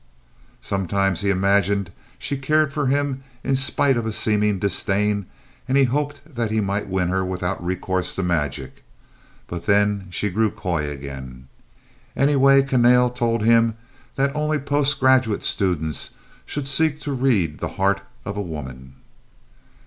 Sometimes he imagined she cared for him in spite of a seeming disdain and he hoped that he might win her without recourse to magic, but then she grew coy again. Anyway, Kahnale had told him that only post graduate students should seek to read the heart of a woman.